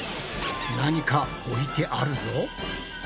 何か置いてあるぞ。